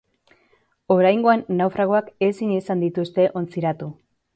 Oraingoan naufragoak ezin izan dituzte ontziratu.